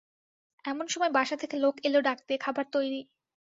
এমন সময় বাসা থেকে লোক এল ডাকতে– খাবার তৈরি।